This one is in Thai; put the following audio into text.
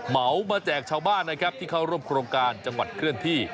เหมามาแจกชาวบ้านนะครับที่เข้าร่วมโครงการจังหวัดเคลื่อนที่